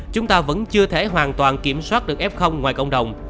chúng ta vẫn chưa thể hoàn toàn kiểm soát được f ngoài cộng đồng